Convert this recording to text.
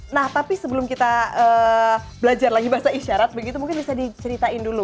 nah tapi sebelum kita belajar lagi bahasa isyarat begitu mungkin bisa diceritain dulu